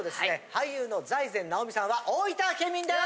俳優の財前直見さんは大分県民です！